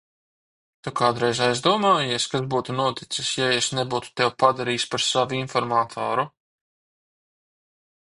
Tu kādreiz aizdomājies, kas būtu noticis, ja es nebūtu tevi padarījis par savu informatoru?